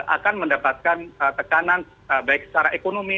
akan mendapatkan tekanan baik secara ekonomi